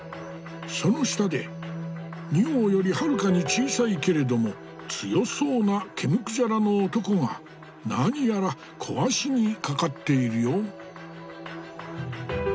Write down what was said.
その下で仁王よりはるかに小さいけれども強そうな毛むくじゃらの男が何やら壊しにかかっているよ。